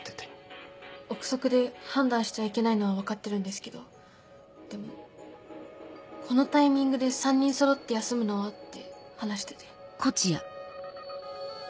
臆測で判断しちゃいけないのは分かってるんですけどでもこのタイミングで３人そろって休むのはって話してて。